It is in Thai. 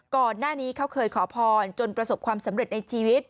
ก่อนหน้านี้เขาเคยขอพรจนประสบความสำเร็จในชีวิต